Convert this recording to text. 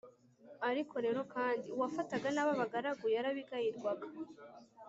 ariko rero kandi uwafataga nabi abagaragu yarabigayirwaga;